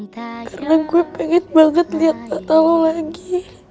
karena gue pengen banget liat mata lo lagi